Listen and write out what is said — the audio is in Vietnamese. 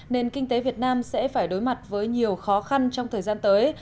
nền kinh tế việt nam sẽ phải đối mặt với nhiều khó khăn trong thời gian tới